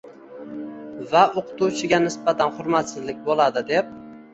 va o‘qituvchiga nisbatan hurmatsizlik bo‘ladi» dedi...